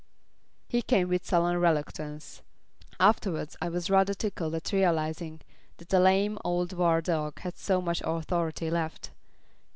He came with sullen reluctance. Afterwards I was rather tickled at realizing that the lame old war dog had so much authority left.